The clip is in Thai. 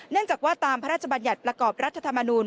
จากว่าตามพระราชบัญญัติประกอบรัฐธรรมนูล